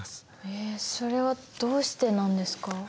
へえそれはどうしてなんですか？